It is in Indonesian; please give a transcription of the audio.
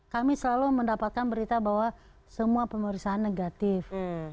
kami selalu mendapatkan berita bahwa semua pemeriksaan negatif